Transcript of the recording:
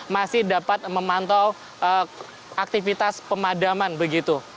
masih dapat memantau aktivitas pemadaman begitu